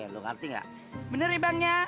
lo ngerti gak bener ibang ya